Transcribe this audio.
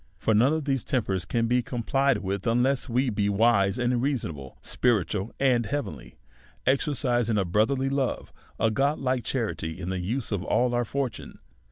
For none of these tempers can be complied with unless we be wise and reasonable, spiritual and heavenly, exercising a brotherly love, a godhke cha rity, in the use of all our fortune.